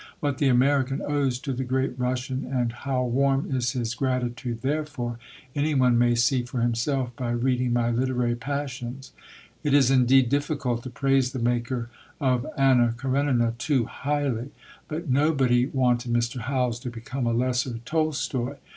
What the American owes to the great Russian, and how warm is his gratitude therefor, any one may see for himself by reading My Literary Passions. It is indeed difficult to praise the maker of Anna Karenina too highly; but nobody wanted Mr. Howells to become a lesser Tolstoi.